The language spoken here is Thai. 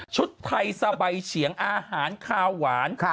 ชุดไทยสบายเฉียงอาหารคาวหวาน